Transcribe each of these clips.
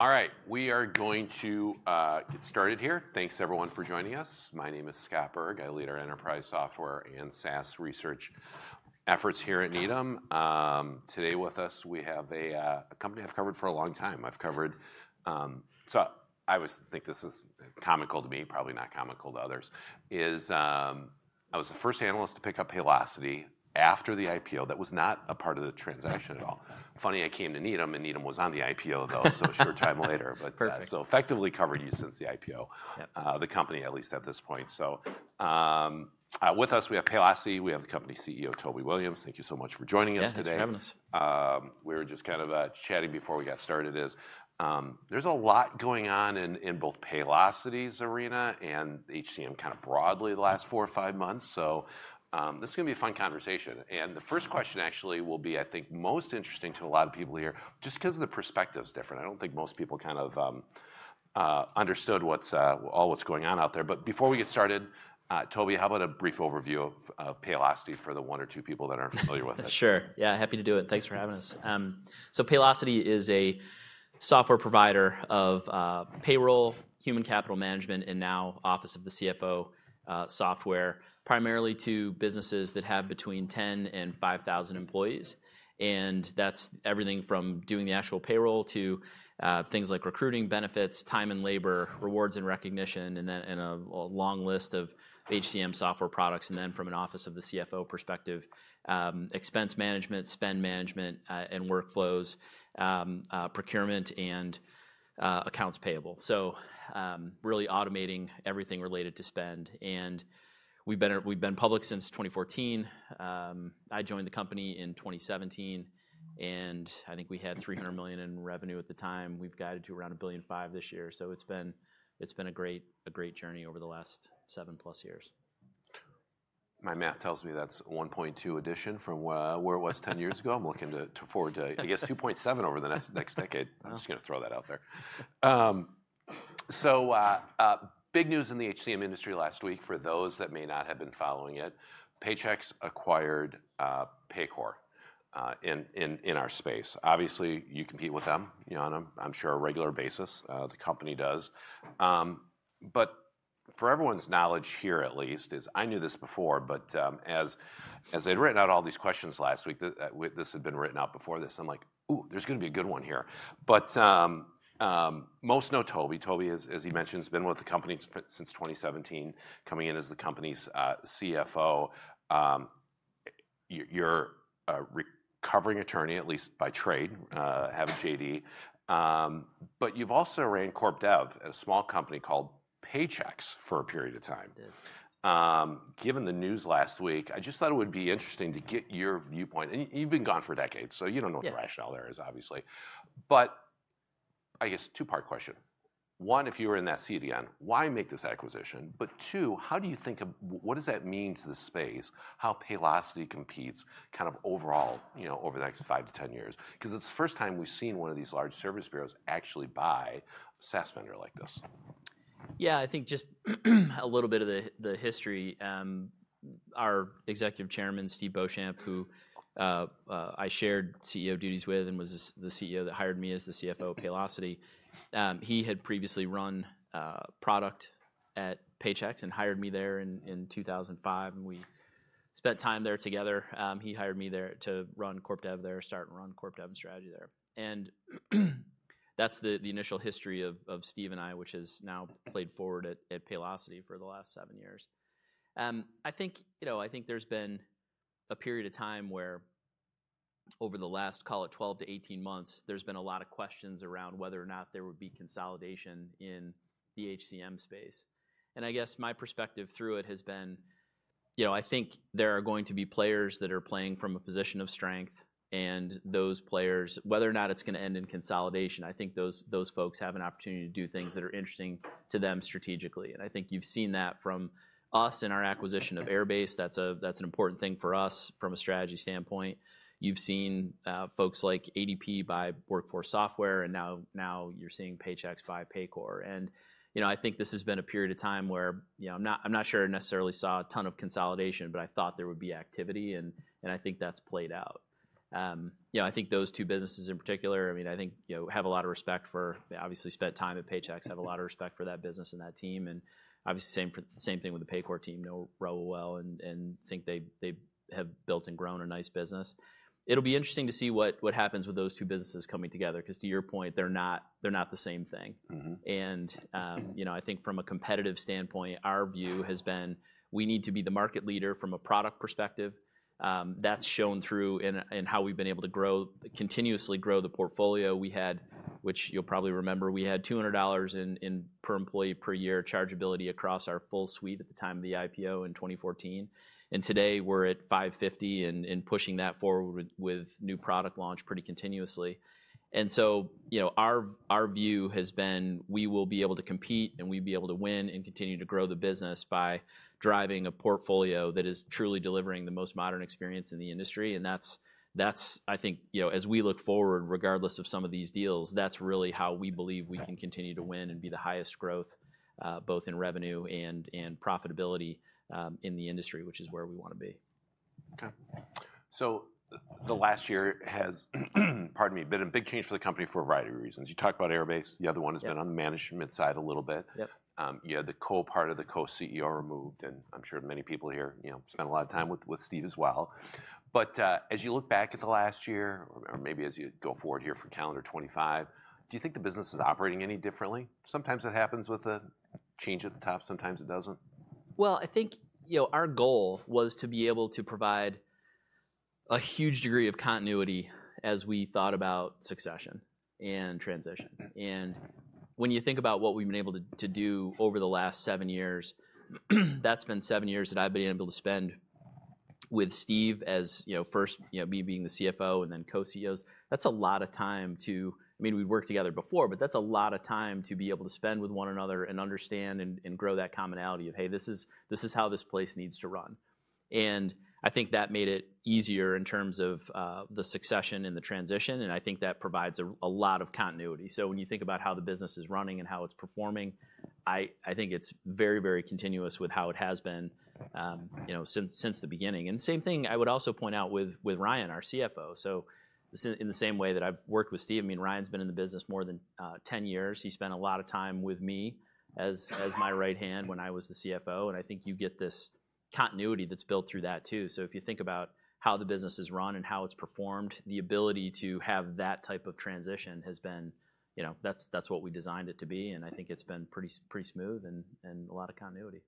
All right, we are going to get started here. Thanks, everyone, for joining us. My name is Scott Berg, I lead our enterprise software and SaaS research efforts here at Needham. Today with us, we have a company I've covered for a long time. I've covered, so I always think this is comical to me, probably not comical to others, is I was the first analyst to pick up Paylocity after the IPO that was not a part of the transaction at all. Funny, I came to Needham, and Needham was on the IPO, though, so a short time later. Perfect. But I've effectively covered you since the IPO, the company at least at this point. So with us, we have Paylocity, we have the company CEO, Toby Williams. Thank you so much for joining us today. Thanks for having us. We were just kind of chatting before we got started, there's a lot going on in both Paylocity's arena and HCM kind of broadly the last four or five months. So this is going to be a fun conversation, and the first question actually will be, I think, most interesting to a lot of people here just because the perspective is different. I don't think most people kind of understood all what's going on out there. But before we get started, Toby, how about a brief overview of Paylocity for the one or two people that aren't familiar with it? Sure. Yeah, happy to do it. Thanks for having us. So Paylocity is a software provider of payroll, human capital management, and now office of the CFO software, primarily to businesses that have between 10,000 and 5,000 employees. And that's everything from doing the actual payroll to things like recruiting, benefits, time and labor, rewards and recognition, and then a long list of HCM software products. And then from an office of the CFO perspective, expense management, spend management, and workflows, procurement, and accounts payable. So really automating everything related to spend. And we've been public since 2014. I joined the company in 2017, and I think we had $300 million in revenue at the time. We've guided to around $1.5 billion this year. So it's been a great journey over the last seven-plus years. My math tells me that's 1.2 addition from where it was 10 years ago. I'm looking forward to, I guess, 2.7 over the next decade. I'm just going to throw that out there. So big news in the HCM industry last week for those that may not have been following it, Paychex acquired Paycor in our space. Obviously, you compete with them, you know, on a, I'm sure, a regular basis. The company does. But for everyone's knowledge here, at least, is I knew this before, but as I'd written out all these questions last week, this had been written out before this, I'm like, "Ooh, there's going to be a good one here." But most know Toby. Toby, as he mentioned, has been with the company since 2017, coming in as the company's CFO. You're a recovering attorney, at least by trade, have a JD. But you've also ran corp dev at a small company called Paychex for a period of time. Given the news last week, I just thought it would be interesting to get your viewpoint. And you've been gone for a decade, so you don't know what the rationale there is, obviously. But I guess two-part question. One, if you were in that seat again, why make this acquisition? But two, how do you think of what does that mean to the space, how Paylocity competes kind of overall over the next five to ten years? Because it's the first time we've seen one of these large service bureaus actually buy a SaaS vendor like this. Yeah, I think just a little bit of the history. Our executive chairman, Steve Beauchamp, who I shared CEO duties with and was the CEO that hired me as the CFO of Paylocity, he had previously run product at Paychex and hired me there in 2005. And we spent time there together. He hired me there to run corp dev there, start and run corp dev and strategy there. And that's the initial history of Steve and I, which has now played forward at Paylocity for the last seven years. I think there's been a period of time where over the last, call it, 12-18 months, there's been a lot of questions around whether or not there would be consolidation in the HCM space. And I guess my perspective through it has been, you know, I think there are going to be players that are playing from a position of strength. And those players, whether or not it's going to end in consolidation, I think those folks have an opportunity to do things that are interesting to them strategically. And I think you've seen that from us and our acquisition of Airbase. That's an important thing for us from a strategy standpoint. You've seen folks like ADP buy WorkForce Software, and now you're seeing Paychex buy Paycor. And I think this has been a period of time where I'm not sure I necessarily saw a ton of consolidation, but I thought there would be activity, and I think that's played out. I think those two businesses in particular, I mean, I think have a lot of respect for, obviously spent time at Paychex, have a lot of respect for that business and that team, and obviously same thing with the Paycor team, know Raul well, and think they have built and grown a nice business. It'll be interesting to see what happens with those two businesses coming together, because to your point, they're not the same thing, and I think from a competitive standpoint, our view has been we need to be the market leader from a product perspective. That's shown through in how we've been able to continuously grow the portfolio we had, which you'll probably remember we had $200 per employee per year chargeability across our full suite at the time of the IPO in 2014. Today we're at $550 and pushing that forward with new product launch pretty continuously. And so our view has been we will be able to compete and we'll be able to win and continue to grow the business by driving a portfolio that is truly delivering the most modern experience in the industry. And that's, I think, as we look forward, regardless of some of these deals, that's really how we believe we can continue to win and be the highest growth, both in revenue and profitability in the industry, which is where we want to be. Okay. The last year has, pardon me, been a big change for the company for a variety of reasons. You talked about Airbase. The other one has been on the management side a little bit. You had the co-part of the co-CEO removed, and I'm sure many people here spent a lot of time with Steve as well. As you look back at the last year, or maybe as you go forward here for calendar 2025, do you think the business is operating any differently? Sometimes it happens with a change at the top, sometimes it doesn't. I think our goal was to be able to provide a huge degree of continuity as we thought about succession and transition. And when you think about what we've been able to do over the last seven years, that's been seven years that I've been able to spend with Steve as first me being the CFO and then co-CEOs. That's a lot of time to, I mean, we've worked together before, but that's a lot of time to be able to spend with one another and understand and grow that commonality of, hey, this is how this place needs to run. And I think that made it easier in terms of the succession and the transition, and I think that provides a lot of continuity. So when you think about how the business is running and how it's performing, I think it's very, very continuous with how it has been since the beginning. And same thing, I would also point out with Ryan, our CFO. So in the same way that I've worked with Steve, I mean, Ryan's been in the business more than 10 years. He spent a lot of time with me as my right hand when I was the CFO. And I think you get this continuity that's built through that too. So if you think about how the business is run and how it's performed, the ability to have that type of transition has been. That's what we designed it to be. And I think it's been pretty smooth and a lot of continuity.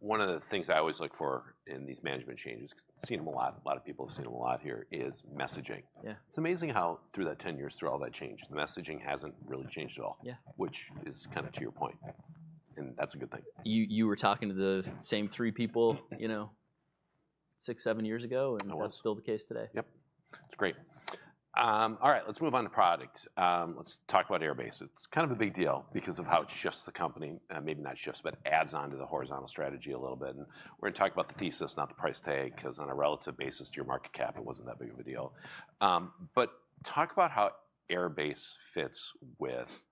One of the things I always look for in these management changes, seen them a lot, a lot of people have seen them a lot here, is messaging. Yeah. It's amazing how through that 10 years, through all that change, the messaging hasn't really changed at all, which is kind of to your point. And that's a good thing. You were talking to the same three people six or seven years ago, and that's still the case today. Yep. It's great. All right, let's move on to product. Let's talk about Airbase. It's kind of a big deal because of how it shifts the company, maybe not shifts, but adds on to the horizontal strategy a little bit. And we're going to talk about the thesis, not the price tag, because on a relative basis to your market cap, it wasn't that big of a deal. But talk about how Airbase fits with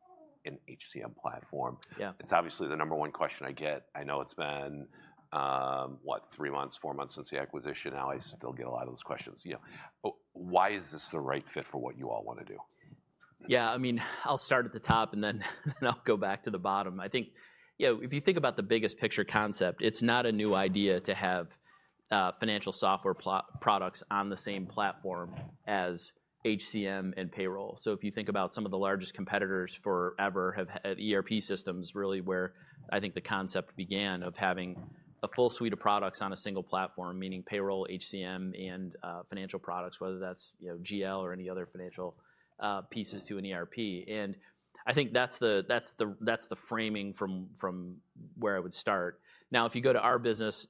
an HCM platform. It's obviously the number one question I get. I know it's been, what, three months, four months since the acquisition. Now I still get a lot of those questions. Why is this the right fit for what you all want to do? Yeah, I mean, I'll start at the top and then I'll go back to the bottom. I think if you think about the biggest picture concept, it's not a new idea to have financial software products on the same platform as HCM and payroll. So if you think about some of the largest competitors forever have ERP systems, really, where I think the concept began of having a full suite of products on a single platform, meaning payroll, HCM, and financial products, whether that's GL or any other financial pieces to an ERP. And I think that's the framing from where I would start. Now, if you go to our business,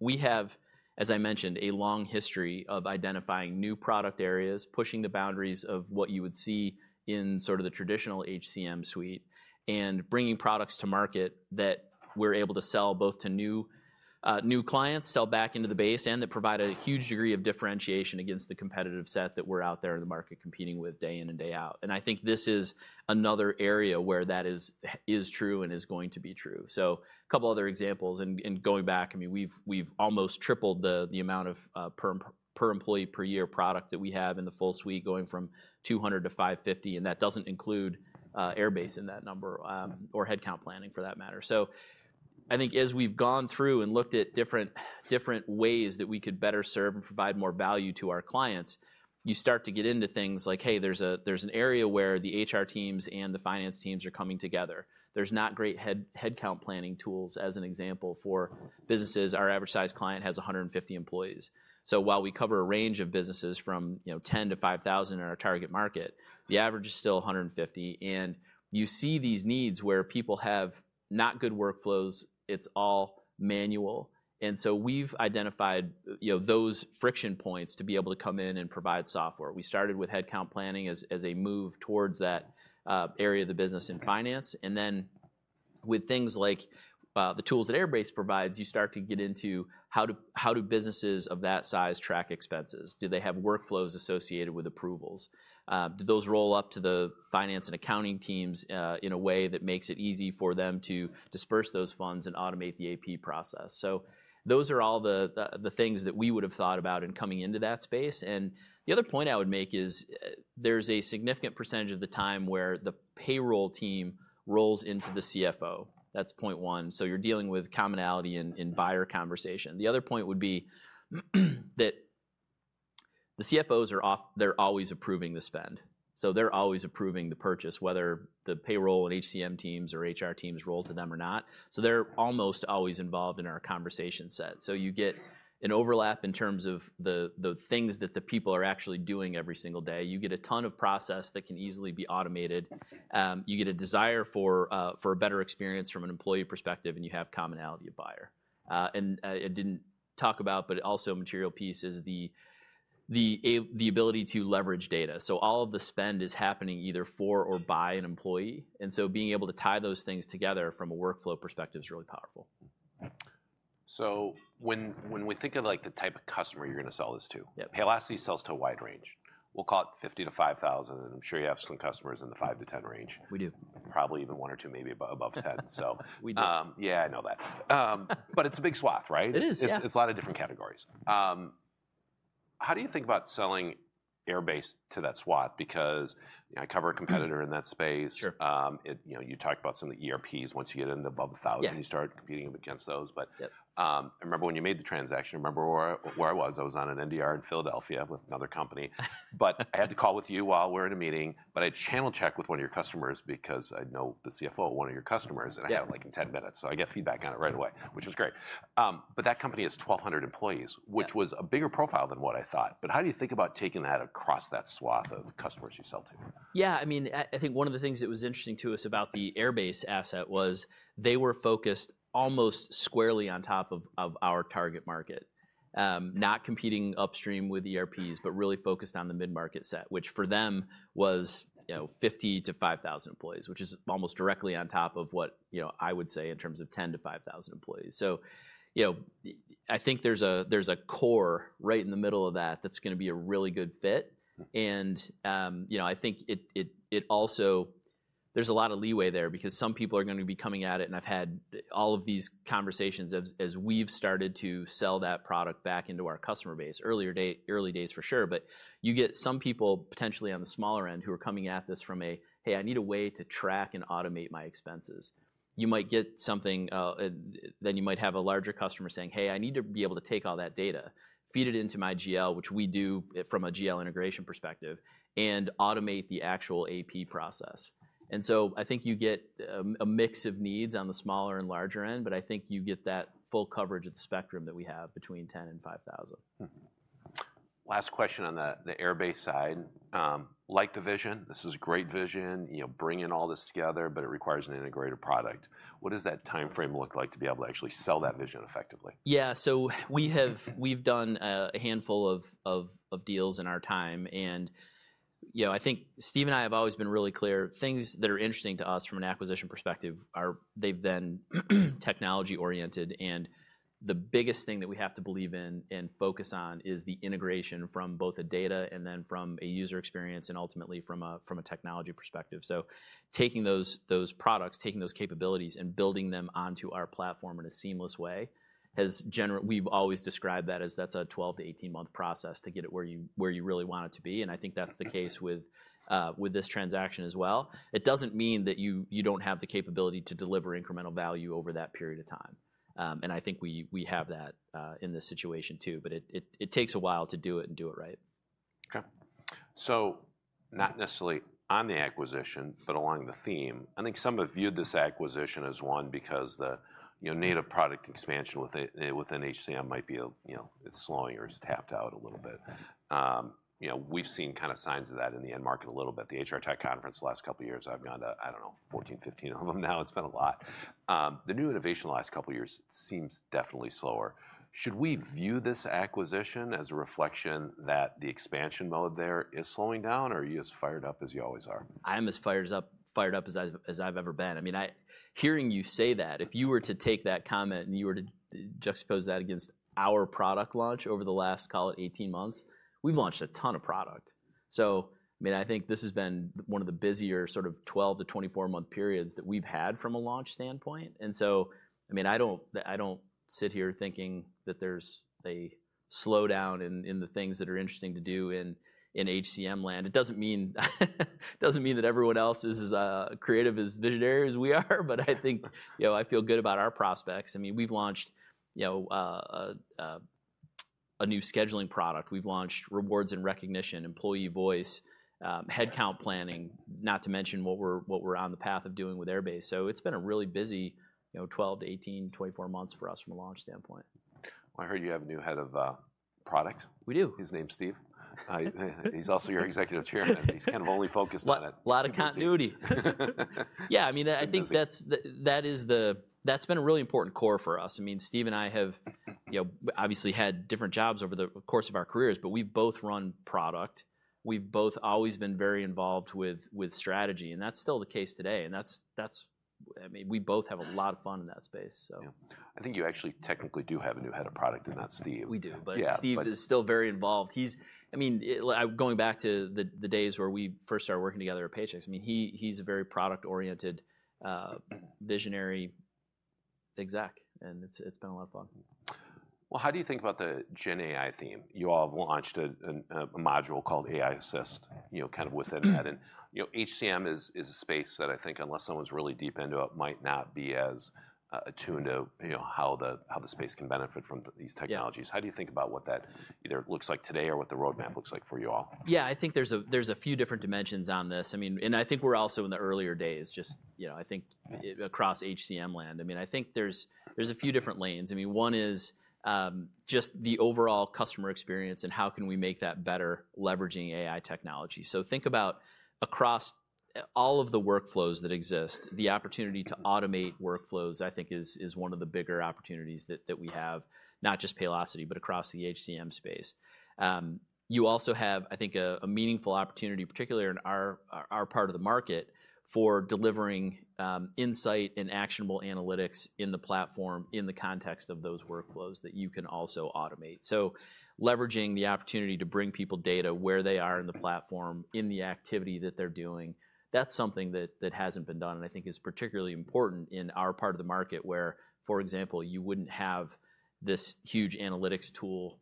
we have, as I mentioned, a long history of identifying new product areas, pushing the boundaries of what you would see in sort of the traditional HCM suite, and bringing products to market that we're able to sell both to new clients, sell back into the base, and that provide a huge degree of differentiation against the competitive set that we're out there in the market competing with day in and day out. And I think this is another area where that is true and is going to be true. So a couple other examples. And going back, I mean, we've almost tripled the amount of per employee per year product that we have in the full suite going from $200-$550. And that doesn't include Airbase in that number or Headcount Planning for that matter. So I think as we've gone through and looked at different ways that we could better serve and provide more value to our clients, you start to get into things like, hey, there's an area where the HR teams and the finance teams are coming together. There's not great headcount planning tools as an example for businesses. Our average size client has 150 employees. So while we cover a range of businesses from 10 to 5,000 in our target market, the average is still 150. And you see these needs where people have not good workflows. It's all manual. And so we've identified those friction points to be able to come in and provide software. We started with headcount planning as a move towards that area of the business in finance. And then with things like the tools that Airbase provides, you start to get into how do businesses of that size track expenses? Do they have workflows associated with approvals? Do those roll up to the finance and accounting teams in a way that makes it easy for them to disperse those funds and automate the AP process? So those are all the things that we would have thought about in coming into that space. And the other point I would make is there's a significant percentage of the time where the payroll team rolls into the CFO. That's point one. So you're dealing with commonality in buyer conversation. The other point would be that the CFOs are always approving the spend. So they're always approving the purchase, whether the payroll and HCM teams or HR teams roll to them or not. So they're almost always involved in our conversation set. So you get an overlap in terms of the things that the people are actually doing every single day. You get a ton of process that can easily be automated. You get a desire for a better experience from an employee perspective, and you have commonality of buyer. And I didn't talk about, but also a material piece is the ability to leverage data. So all of the spend is happening either for or by an employee. And so being able to tie those things together from a workflow perspective is really powerful. So when we think of the type of customer you're going to sell this to, Paylocity sells to a wide range. We'll call it 50 to 5,000. I'm sure you have some customers in the 5-10 range. We do. Probably even one or two, maybe above 10. We do. Yeah, I know that. But it's a big swath, right? It is. It's a lot of different categories. How do you think about selling Airbase to that swath? Because I cover a competitor in that space. You talked about some of the ERPs. Once you get into above 1,000, you start competing against those. But I remember when you made the transaction, I remember where I was. I was on an NDR in Philadelphia with another company. But I had to call with you while we were in a meeting. But I had to channel check with one of your customers because I'd know the CFO of one of your customers, and I had it like in 10 minutes. So I got feedback on it right away, which was great. But that company has 1,200 employees, which was a bigger profile than what I thought. But how do you think about taking that across that swath of customers you sell to? Yeah, I mean, I think one of the things that was interesting to us about the Airbase asset was they were focused almost squarely on top of our target market, not competing upstream with ERPs, but really focused on the mid-market set, which for them was 50-5,000 employees, which is almost directly on top of what I would say in terms of 10-5,000 employees. So I think there's a core right in the middle of that that's going to be a really good fit. And I think it also there's a lot of leeway there because some people are going to be coming at it. And I've had all of these conversations as we've started to sell that product back into our customer base. Early days, for sure. But you get some people potentially on the smaller end who are coming at this from a, hey, I need a way to track and automate my expenses. You might get something, then you might have a larger customer saying, hey, I need to be able to take all that data, feed it into my GL, which we do from a GL integration perspective, and automate the actual AP process. And so I think you get a mix of needs on the smaller and larger end, but I think you get that full coverage of the spectrum that we have between 10 and 5,000. Last question on the Airbase side. Like the vision, this is a great vision, bringing all this together, but it requires an integrated product. What does that time frame look like to be able to actually sell that vision effectively? Yeah, so we've done a handful of deals in our time. And I think Steve and I have always been really clear. Things that are interesting to us from an acquisition perspective, they've been technology oriented. And the biggest thing that we have to believe in and focus on is the integration from both the data and then from a user experience and ultimately from a technology perspective. So taking those products, taking those capabilities, and building them onto our platform in a seamless way, we've always described that as that's a 12-18 month process to get it where you really want it to be. And I think that's the case with this transaction as well. It doesn't mean that you don't have the capability to deliver incremental value over that period of time. I think we have that in this situation too, but it takes a while to do it and do it right. Okay. So not necessarily on the acquisition, but along the theme, I think some have viewed this acquisition as one because the native product expansion within HCM might be slowing or it's tapped out a little bit. We've seen kind of signs of that in the end market a little bit. The HR Tech Conference, the last couple of years, I've gone to, I don't know, 14, 15 of them now. It's been a lot. The new innovation the last couple of years seems definitely slower. Should we view this acquisition as a reflection that the expansion mode there is slowing down, or are you as fired up as you always are? I am as fired up as I've ever been. I mean, hearing you say that, if you were to take that comment and you were to juxtapose that against our product launch over the last, call it, 18 months, we've launched a ton of product. So I mean, I think this has been one of the busier sort of 12 to 24 month periods that we've had from a launch standpoint. And so I mean, I don't sit here thinking that there's a slowdown in the things that are interesting to do in HCM land. It doesn't mean that everyone else is as creative as visionary as we are, but I think I feel good about our prospects. I mean, we've launched a new scheduling product. We've launched Rewards and Recognition, Employee Voice, Headcount Planning, not to mention what we're on the path of doing with Airbase. So it's been a really busy 12-18, 24 months for us from a launch standpoint. I heard you have a new head of product. We do. His name's Steve. He's also your Executive Chairman. He's kind of only focused on it. A lot of continuity. Yeah, I mean, I think that is, that's been a really important core for us. I mean, Steve and I have obviously had different jobs over the course of our careers, but we've both run product. We've both always been very involved with strategy. And that's still the case today. And I mean, we both have a lot of fun in that space. I think you actually technically do have a new head of product, and that's Steve. We do, but Steve is still very involved. I mean, going back to the days where we first started working together at Paychex, I mean, he's a very product oriented, visionary exec. And it's been a lot of fun. How do you think about the GenAI theme? You all have launched a module called AI Assist kind of within that. And HCM is a space that I think unless someone's really deep into it, might not be as attuned to how the space can benefit from these technologies. How do you think about what that either looks like today or what the roadmap looks like for you all? Yeah, I think there's a few different dimensions on this. I mean, and I think we're also in the earlier days, just I think across HCM land. I mean, I think there's a few different lanes. I mean, one is just the overall customer experience and how can we make that better leveraging AI technology, so think about across all of the workflows that exist, the opportunity to automate workflows, I think, is one of the bigger opportunities that we have, not just Paylocity, but across the HCM space. You also have, I think, a meaningful opportunity, particularly in our part of the market, for delivering insight and actionable analytics in the platform in the context of those workflows that you can also automate, so leveraging the opportunity to bring people data where they are in the platform, in the activity that they're doing, that's something that hasn't been done. And I think it's particularly important in our part of the market where, for example, you wouldn't have this huge analytics tool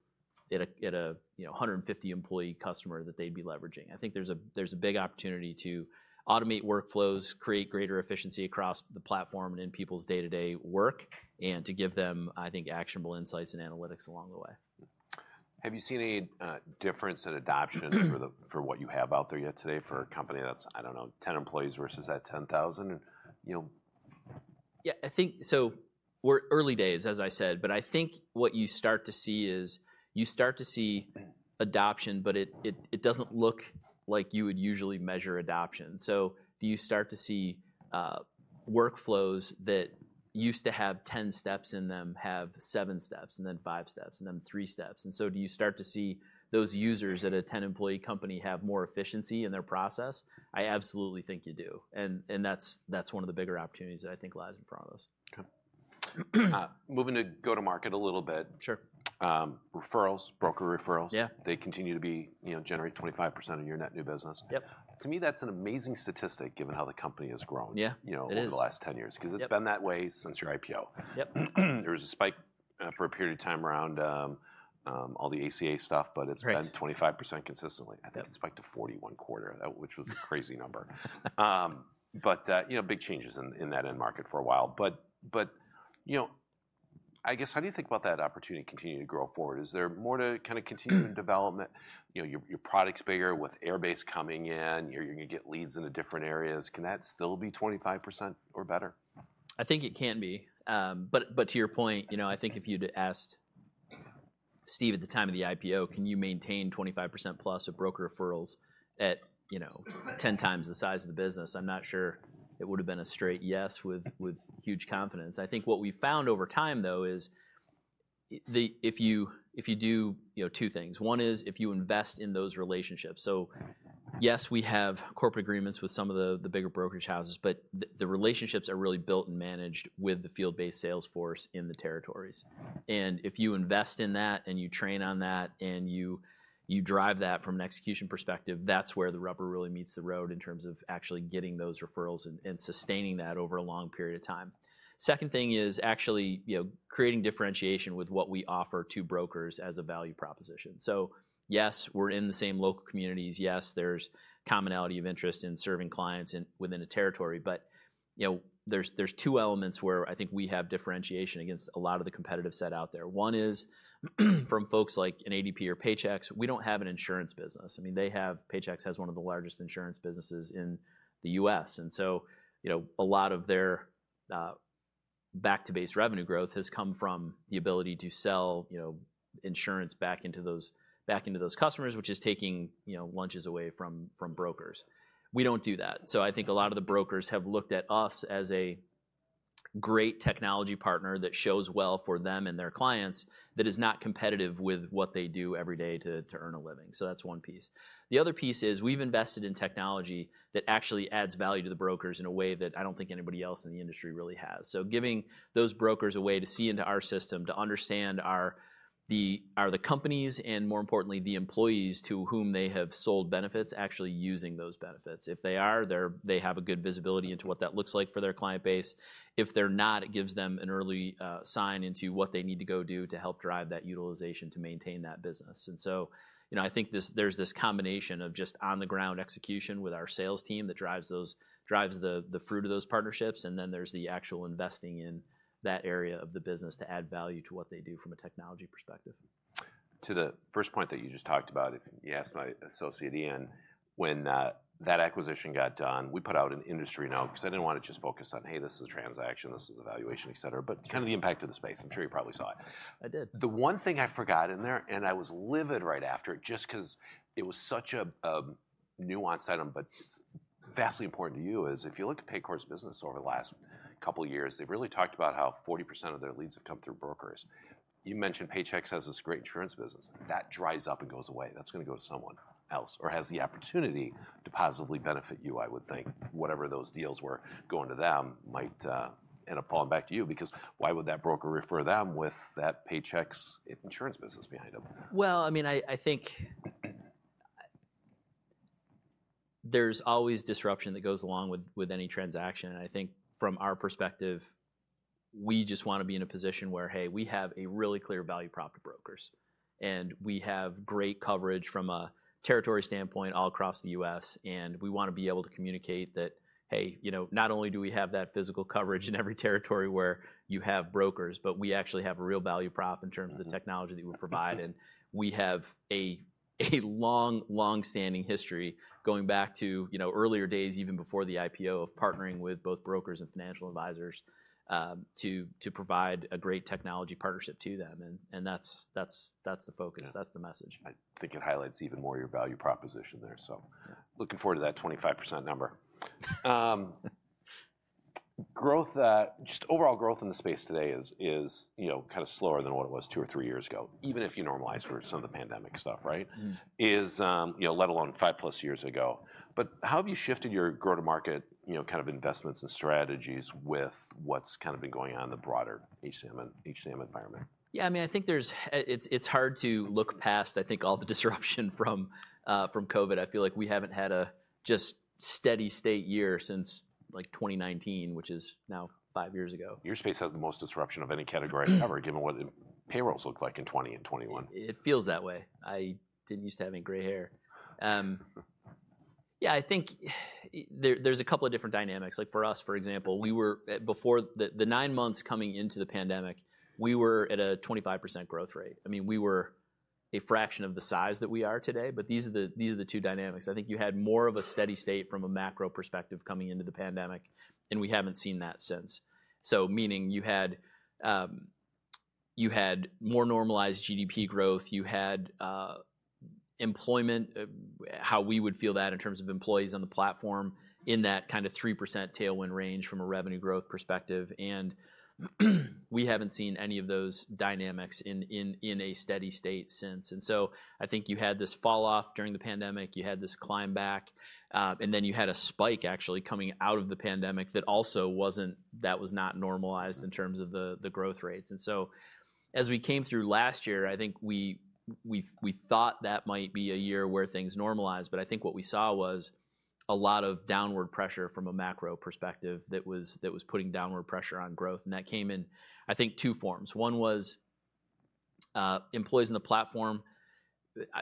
at a 150-employee customer that they'd be leveraging. I think there's a big opportunity to automate workflows, create greater efficiency across the platform and in people's day-to-day work, and to give them, I think, actionable insights and analytics along the way. Have you seen any difference in adoption for what you have out there yet today for a company that's, I don't know, 10 employees versus at 10,000? Yeah, I think so. We're early days, as I said, but I think what you start to see is you start to see adoption, but it doesn't look like you would usually measure adoption, so do you start to see workflows that used to have 10 steps in them have seven steps and then five steps and then three steps, and so do you start to see those users at a 10-employee company have more efficiency in their process? I absolutely think you do, and that's one of the bigger opportunities that I think lies in front of us. Okay. Moving to go-to-market a little bit. Sure. Referrals, broker referrals. Yeah. They continue to generate 25% of your net new business. Yep. To me, that's an amazing statistic given how the company has grown over the last 10 years because it's been that way since your IPO. Yep. There was a spike for a period of time around all the ACA stuff, but it's been 25% consistently. I think it spiked to 40% one quarter, which was a crazy number. But big changes in that end market for a while. But I guess, how do you think about that opportunity continuing to grow forward? Is there more to kind of continuing development? Your product's bigger with Airbase coming in. You're going to get leads in different areas. Can that still be 25% or better? I think it can be. But to your point, I think if you'd asked Steve at the time of the IPO, can you maintain 25% plus of broker referrals at 10 times the size of the business, I'm not sure it would have been a straight yes with huge confidence. I think what we found over time, though, is if you do two things. One is if you invest in those relationships. So yes, we have corporate agreements with some of the bigger brokerage houses, but the relationships are really built and managed with the field-based sales force in the territories. And if you invest in that and you train on that and you drive that from an execution perspective, that's where the rubber really meets the road in terms of actually getting those referrals and sustaining that over a long period of time. Second thing is actually creating differentiation with what we offer to brokers as a value proposition. So yes, we're in the same local communities. Yes, there's commonality of interest in serving clients within a territory. But there's two elements where I think we have differentiation against a lot of the competitive set out there. One is from folks like an ADP or Paychex. We don't have an insurance business. I mean, they have Paychex has one of the largest insurance businesses in the U.S. And so a lot of their back-to-base revenue growth has come from the ability to sell insurance back into those customers, which is taking lunches away from brokers. We don't do that. I think a lot of the brokers have looked at us as a great technology partner that shows well for them and their clients that is not competitive with what they do every day to earn a living. So that's one piece. The other piece is we've invested in technology that actually adds value to the brokers in a way that I don't think anybody else in the industry really has. So giving those brokers a way to see into our system to understand the companies and, more importantly, the employees to whom they have sold benefits actually using those benefits. If they are, they have a good visibility into what that looks like for their client base. If they're not, it gives them an early sign into what they need to go do to help drive that utilization to maintain that business. And so I think there's this combination of just on-the-ground execution with our sales team that drives the fruit of those partnerships. And then there's the actual investing in that area of the business to add value to what they do from a technology perspective. To the first point that you just talked about, if you asked my associate Ian, when that acquisition got done, we put out an industry note because I didn't want to just focus on, hey, this is a transaction, this is a valuation, et cetera, but kind of the impact of the space. I'm sure you probably saw it. I did. The one thing I forgot in there, and I was livid right after it just because it was such a nuanced item, but it's vastly important to you is if you look at Paycor's business over the last couple of years, they've really talked about how 40% of their leads have come through brokers. You mentioned Paychex has this great insurance business. That dries up and goes away. That's going to go to someone else or has the opportunity to positively benefit you, I would think, whatever those deals were going to them might end up falling back to you because why would that broker refer them with that Paychex insurance business behind them? Well, I mean, I think there's always disruption that goes along with any transaction. And I think from our perspective, we just want to be in a position where, hey, we have a really clear value prop to brokers. And we have great coverage from a territory standpoint all across the U.S. And we want to be able to communicate that, hey, not only do we have that physical coverage in every territory where you have brokers, but we actually have a real value prop in terms of the technology that we provide. And we have a long, long-standing history going back to earlier days, even before the IPO, of partnering with both brokers and financial advisors to provide a great technology partnership to them. And that's the focus. That's the message. I think it highlights even more your value proposition there. So looking forward to that 25% number. Just overall growth in the space today is kind of slower than what it was two or three years ago, even if you normalize for some of the pandemic stuff, right? Mm-hmm. Let alone five plus years ago. But how have you shifted your go-to-market kind of investments and strategies with what's kind of been going on in the broader HCM environment? Yeah, I mean, I think it's hard to look past, I think, all the disruption from COVID. I feel like we haven't had a just steady state year since like 2019, which is now five years ago. Your space has the most disruption of any category ever, given what payrolls looked like in 2020 and 2021. It feels that way. I didn't used to have any gray hair. Yeah, I think there's a couple of different dynamics. Like for us, for example, before the nine months coming into the pandemic, we were at a 25% growth rate. I mean, we were a fraction of the size that we are today, but these are the two dynamics. I think you had more of a steady state from a macro perspective coming into the pandemic, and we haven't seen that since. So meaning you had more normalized GDP growth, you had employment, how we would feel that in terms of employees on the platform in that kind of 3% tailwind range from a revenue growth perspective. And we haven't seen any of those dynamics in a steady state since. I think you had this falloff during the pandemic. You had this climb back, and then you had a spike actually coming out of the pandemic that also wasn't, that was not normalized in terms of the growth rates. As we came through last year, I think we thought that might be a year where things normalized, but I think what we saw was a lot of downward pressure from a macro perspective that was putting downward pressure on growth. That came in, I think, two forms. One was employees in the platform.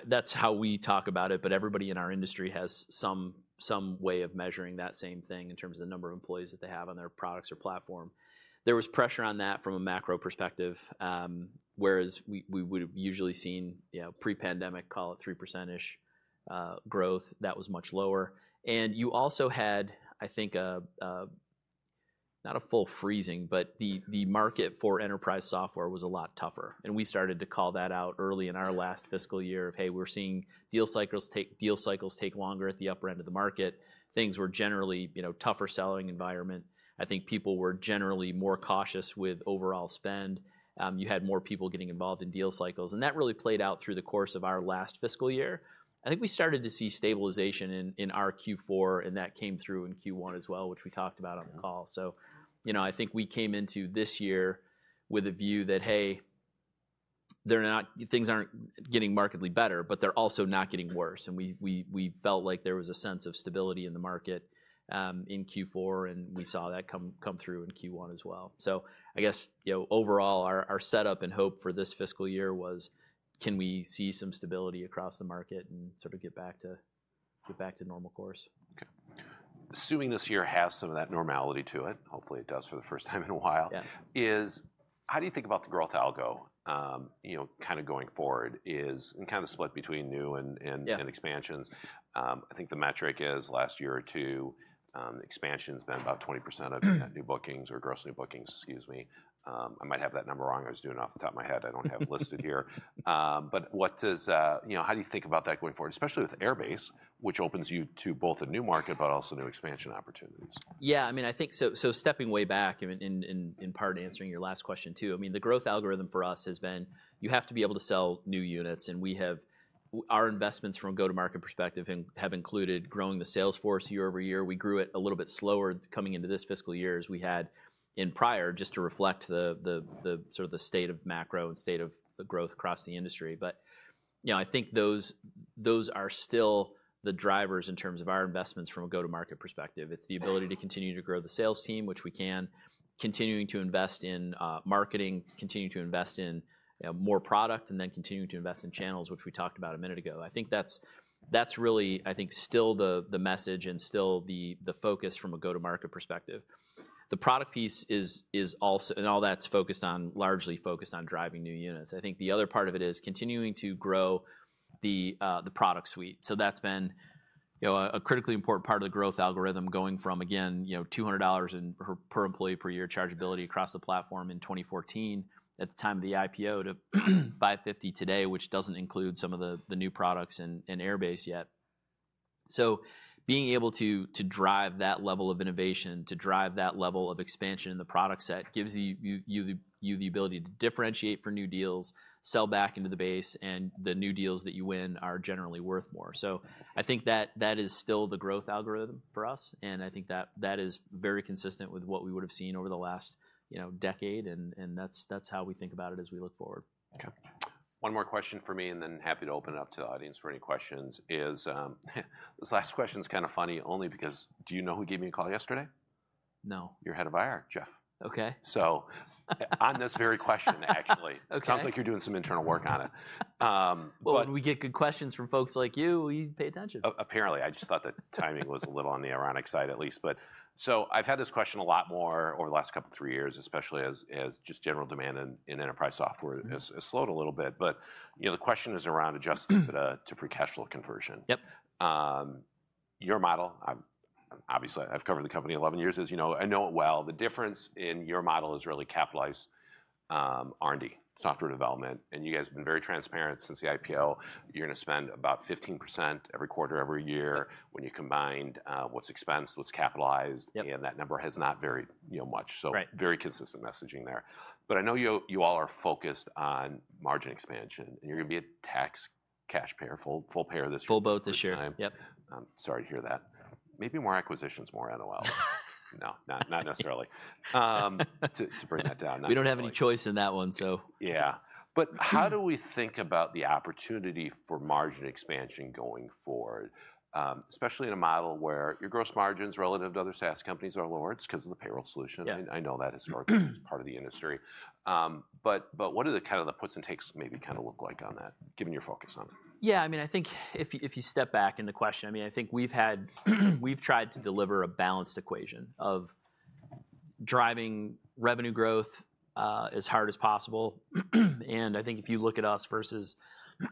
That's how we talk about it, but everybody in our industry has some way of measuring that same thing in terms of the number of employees that they have on their products or platform. There was pressure on that from a macro perspective, whereas we would have usually seen pre-pandemic, call it 3%-ish growth. That was much lower, and you also had, I think, not a full freezing, but the market for enterprise software was a lot tougher. And we started to call that out early in our last fiscal year of, hey, we're seeing deal cycles take longer at the upper end of the market. Things were generally a tougher selling environment. I think people were generally more cautious with overall spend. You had more people getting involved in deal cycles, and that really played out through the course of our last fiscal year. I think we started to see stabilization in our Q4, and that came through in Q1 as well, which we talked about on the call. So I think we came into this year with a view that, hey, things aren't getting markedly better, but they're also not getting worse. And we felt like there was a sense of stability in the market in Q4, and we saw that come through in Q1 as well. So I guess overall, our setup and hope for this fiscal year was, can we see some stability across the market and sort of get back to normal course? Okay. Assuming this year has some of that normality to it, hopefully it does for the first time in a while, how do you think about the growth algo kind of going forward? It's kind of split between new and expansions. I think the metric is last year or two, expansion has been about 20% of new bookings or gross new bookings, excuse me. I might have that number wrong. I was doing it off the top of my head. I don't have it listed here. But how do you think about that going forward, especially with Airbase, which opens you to both a new market, but also new expansion opportunities? Yeah, I mean, I think so stepping way back in part of answering your last question too, I mean, the growth algorithm for us has been you have to be able to sell new units. And our investments from a go-to-market perspective have included growing the sales force year over year. We grew it a little bit slower coming into this fiscal year as we had in prior just to reflect sort of the state of macro and state of growth across the industry. But I think those are still the drivers in terms of our investments from a go-to-market perspective. It's the ability to continue to grow the sales team, which we can, continuing to invest in marketing, continuing to invest in more product, and then continuing to invest in channels, which we talked about a minute ago. I think that's really, I think, still the message and still the focus from a go-to-market perspective. The product piece is also and all that's focused on largely focused on driving new units. I think the other part of it is continuing to grow the product suite. So that's been a critically important part of the growth algorithm going from, again, $200 per employee per year chargeability across the platform in 2014 at the time of the IPO to $550 today, which doesn't include some of the new products in Airbase yet. So being able to drive that level of innovation, to drive that level of expansion in the product set gives you the ability to differentiate for new deals, sell back into the base, and the new deals that you win are generally worth more. So I think that is still the growth algorithm for us. I think that is very consistent with what we would have seen over the last decade. That's how we think about it as we look forward. Okay. One more question for me, and then happy to open it up to the audience for any questions. This last question is kind of funny only because do you know who gave me a call yesterday? No. Your head of IR, Jeff. Okay. So on this very question, actually. Okay. Sounds like you're doing some internal work on it. Well, when we get good questions from folks like you, we pay attention. Apparently. I just thought the timing was a little on the ironic side at least. But so I've had this question a lot more over the last couple of three years, especially as just general demand in enterprise software has slowed a little bit. But the question is around adjusting to free cash flow conversion. Yep. Your model, obviously. I've covered the company 11 years. As you know, I know it well. The difference in your model is really capitalized R&D, software development. And you guys have been very transparent since the IPO. You're going to spend about 15% every quarter, every year when you combine what's expensed, what's capitalized. And that number has not varied much. So very consistent messaging there. But I know you all are focused on margin expansion. And you're going to be a tax cash payer, full payer this year. Full boat this year. Yep. I'm sorry to hear that. Maybe more acquisitions, more NOL. No, not necessarily. To bring that down. We don't have any choice in that one, so. Yeah. But how do we think about the opportunity for margin expansion going forward, especially in a model where your gross margins relative to other SaaS companies are lower? It's because of the payroll solution. I know that historically is part of the industry. But what do kind of the puts and takes maybe kind of look like on that, given your focus on it? Yeah, I mean, I think if you step back in the question, I mean, I think we've tried to deliver a balanced equation of driving revenue growth as hard as possible. And I think if you look at us versus,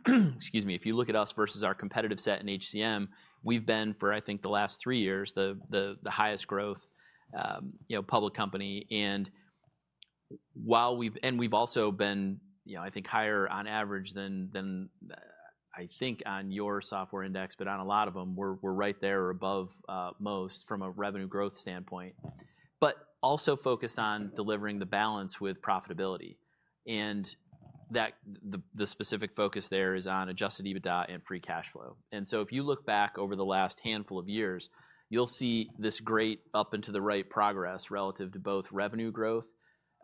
excuse me, if you look at us versus our competitive set in HCM, we've been for, I think, the last three years the highest growth public company. And we've also been, I think, higher on average than I think on your software index, but on a lot of them, we're right there or above most from a revenue growth standpoint, but also focused on delivering the balance with profitability. And the specific focus there is on Adjusted EBITDA and Free Cash Flow. And so if you look back over the last handful of years, you'll see this great up and to the right progress relative to both revenue growth,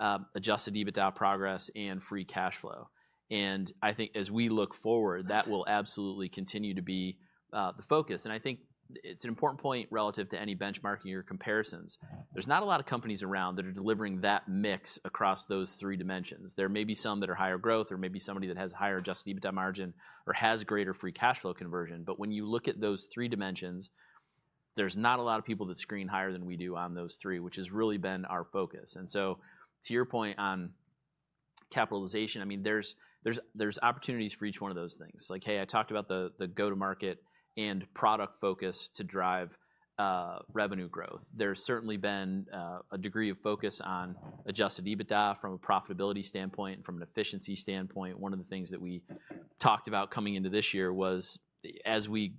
Adjusted EBITDA progress, and Free Cash Flow. And I think as we look forward, that will absolutely continue to be the focus. And I think it's an important point relative to any benchmarking or comparisons. There's not a lot of companies around that are delivering that mix across those three dimensions. There may be some that are higher growth or maybe somebody that has a higher Adjusted EBITDA margin or has greater Free Cash Flow conversion. But when you look at those three dimensions, there's not a lot of people that screen higher than we do on those three, which has really been our focus. And so to your point on capitalization, I mean, there's opportunities for each one of those things. Like, hey, I talked about the go-to-market and product focus to drive revenue growth. There's certainly been a degree of focus on Adjusted EBITDA from a profitability standpoint and from an efficiency standpoint. One of the things that we talked about coming into this year was as we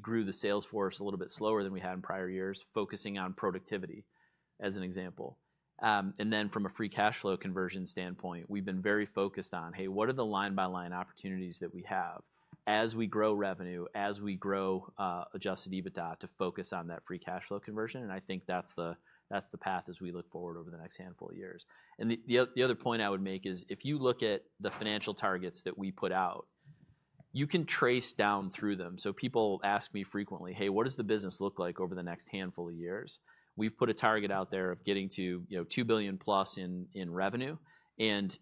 grew the sales force a little bit slower than we had in prior years, focusing on productivity as an example. And then from a Free Cash Flow conversion standpoint, we've been very focused on, hey, what are the line-by-line opportunities that we have as we grow revenue, as we grow Adjusted EBITDA to focus on that Free Cash Flow conversion. And I think that's the path as we look forward over the next handful of years. And the other point I would make is if you look at the financial targets that we put out, you can trace down through them. People ask me frequently, hey, what does the business look like over the next handful of years? We've put a target out there of getting to $2 billion plus in revenue. And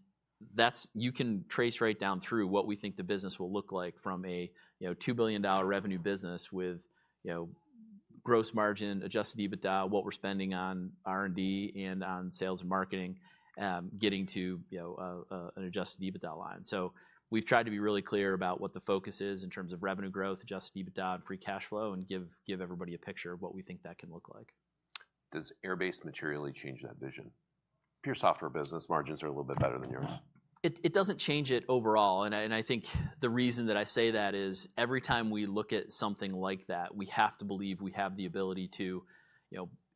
you can trace right down through what we think the business will look like from a $2 billion revenue business with gross margin, Adjusted EBITDA, what we're spending on R&D, and on sales and marketing, getting to an Adjusted EBITDA line. So we've tried to be really clear about what the focus is in terms of revenue growth, Adjusted EBITDA, and free cash flow, and give everybody a picture of what we think that can look like. Does Airbase materially change that vision? Pure software business, margins are a little bit better than yours. It doesn't change it overall, and I think the reason that I say that is every time we look at something like that, we have to believe we have the ability to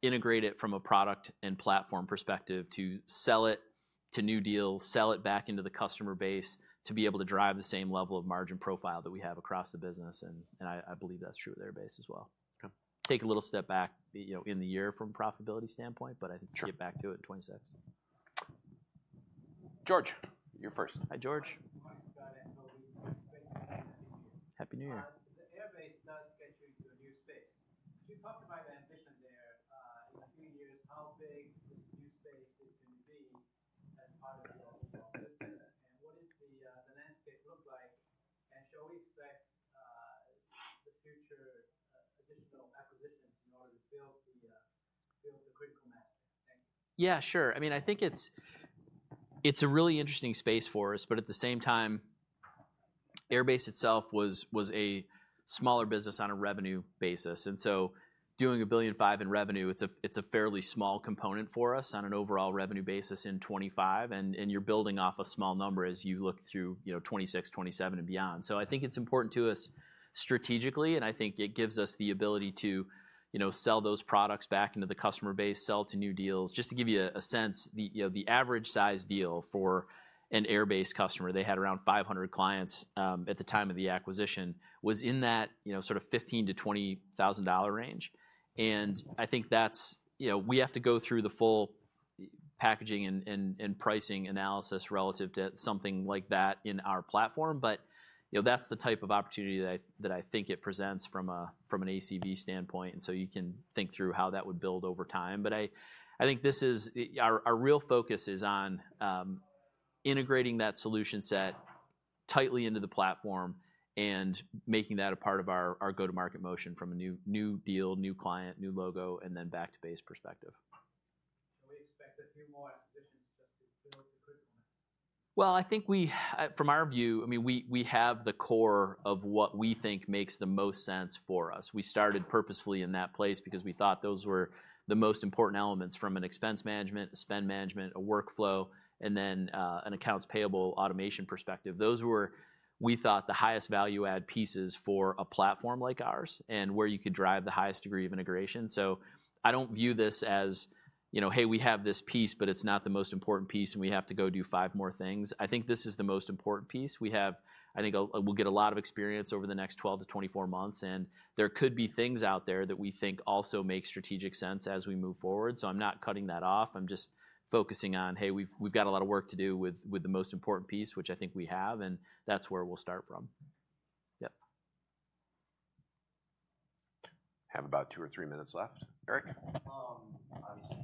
integrate it from a product and platform perspective to sell it to new deals, sell it back into the customer base to be able to drive the same level of margin profile that we have across the business, and I believe that's true with Airbase as well. Take a little step back in the year from a profitability standpoint, but I think we'll get back to it in 2026. George, you're first. Hi, George. Happy New Year. The Airbase does get you into a new space. You talked about ambition there in a few years, how big this new space is going to be as part of the overall business, and what does the landscape look like, and shall we expect the future additional acquisitions in order to build the critical mass? Thank you. Yeah, sure. I mean, I think it's a really interesting space for us, but at the same time, Airbase itself was a smaller business on a revenue basis, and so doing $1.05 billion in revenue, it's a fairly small component for us on an overall revenue basis in 2025, and you're building off a small number as you look through 2026, 2027, and beyond, so I think it's important to us strategically, and I think it gives us the ability to sell those products back into the customer base, sell to new deals. Just to give you a sense, the average size deal for an Airbase customer, they had around 500 clients at the time of the acquisition, was in that sort of $15,000-$20,000 range. And I think we have to go through the full packaging and pricing analysis relative to something like that in our platform. But that's the type of opportunity that I think it presents from an ACV standpoint. And so you can think through how that would build over time. But I think our real focus is on integrating that solution set tightly into the platform and making that a part of our go-to-market motion from a new deal, new client, new logo, and then back-to-base perspective. Shall we expect a few more acquisitions just to build the critical mass? I think from our view, I mean, we have the core of what we think makes the most sense for us. We started purposefully in that place because we thought those were the most important elements from an expense management, a spend management, a workflow, and then an accounts payable automation perspective. Those were, we thought, the highest value-add pieces for a platform like ours and where you could drive the highest degree of integration. So I don't view this as, hey, we have this piece, but it's not the most important piece, and we have to go do five more things. I think this is the most important piece. I think we'll get a lot of experience over the next 12-24 months. And there could be things out there that we think also make strategic sense as we move forward. So I'm not cutting that off. I'm just focusing on, hey, we've got a lot of work to do with the most important piece, which I think we have. And that's where we'll start from. Yep. Have about two or three minutes left. Eric? Obviously,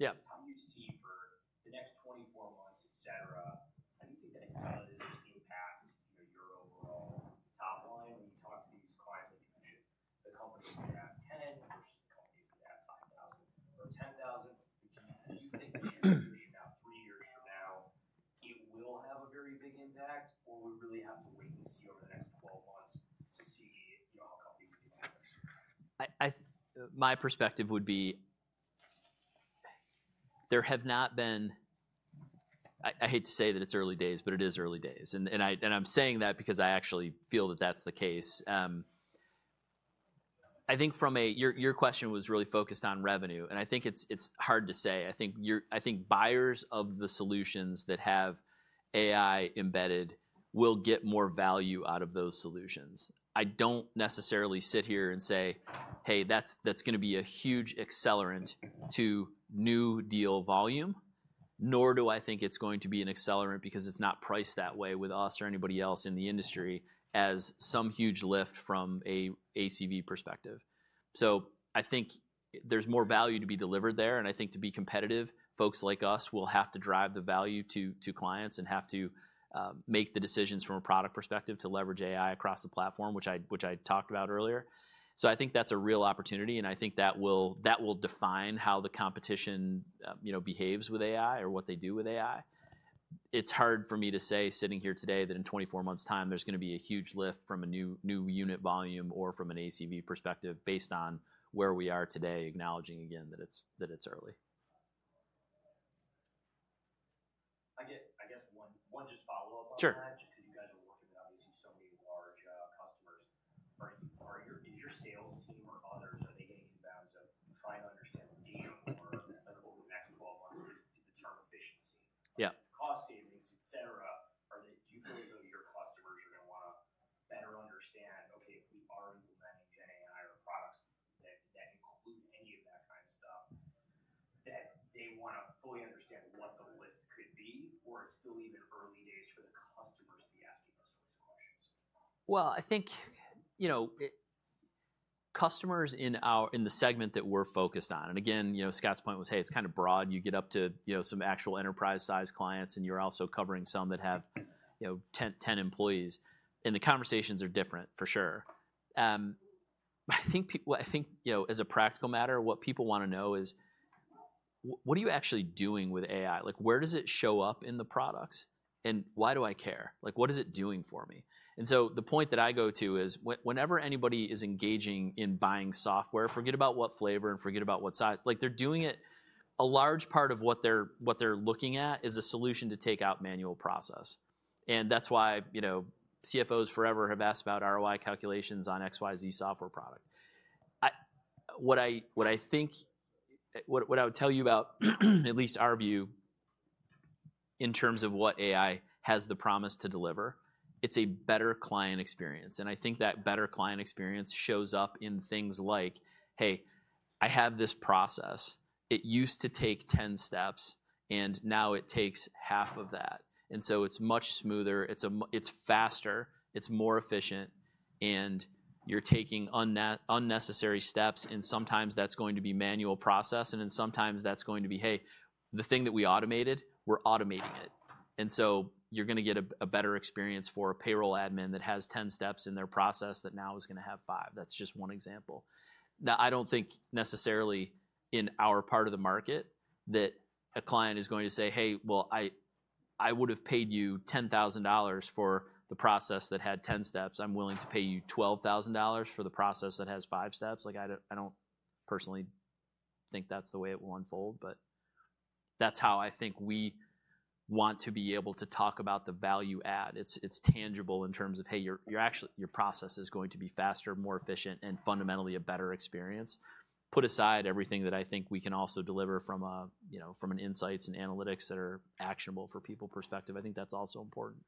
amazing story, et cetera. Obviously, thanks for everything. I guess you mentioned a few times you said, hey, early days, totally understood. On GenAI, how do you see for the next 24 months, et cetera? How do you think that does impact your overall top line when you talk to these clients? I think you mentioned the companies that have 10 versus the companies that have 5,000 or 10,000. Do you think that in three years from now, it will have a very big impact, or we really have to wait and see over the next 12 months to see how companies get back there? My perspective would be there have not been. I hate to say that it's early days, but it is early days, and I'm saying that because I actually feel that that's the case. I think from a, your question was really focused on revenue, and I think it's hard to say. I think buyers of the solutions that have AI embedded will get more value out of those solutions. I don't necessarily sit here and say, hey, that's going to be a huge accelerant to new deal volume, nor do I think it's going to be an accelerant because it's not priced that way with us or anybody else in the industry as some huge lift from an ACV perspective, so I think there's more value to be delivered there. And I think to be competitive, folks like us will have to drive the value to clients and have to make the decisions from a product perspective to leverage AI across the platform, which I talked about earlier. So I think that's a real opportunity. And I think that will define how the competition behaves with AI or what they do with AI. It's hard for me to say sitting here today that in 24 months' time, there's going to be a huge lift from a new unit volume or from an ACV perspective based on where we are today, acknowledging again that it's early. I guess one just follow-up on that. Sure. And so the point that I go to is whenever anybody is engaging in buying software, forget about what flavor and forget about what size. They're doing it. A large part of what they're looking at is a solution to take out manual process. And that's why CFOs forever have asked about ROI calculations on XYZ software product. What I think, what I would tell you about at least our view in terms of what AI has the promise to deliver, it's a better client experience, and I think that better client experience shows up in things like, hey, I have this process. It used to take 10 steps, and now it takes half of that, and so it's much smoother. It's faster. It's more efficient, and you're taking unnecessary steps, and sometimes that's going to be manual process, and then sometimes that's going to be, hey, the thing that we automated, we're automating it, and so you're going to get a better experience for a payroll admin that has 10 steps in their process that now is going to have 5. That's just one example. Now, I don't think necessarily in our part of the market that a client is going to say, hey, well, I would have paid you $10,000 for the process that had 10 steps. I'm willing to pay you $12,000 for the process that has five steps. I don't personally think that's the way it will unfold, but that's how I think we want to be able to talk about the value-add. It's tangible in terms of, hey, your process is going to be faster, more efficient, and fundamentally a better experience. Put aside everything that I think we can also deliver from an insights and analytics that are actionable from a people perspective. I think that's also important.